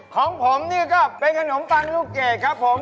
ของผมนี่ก็เป็นขนมปังลูกเกดครับผม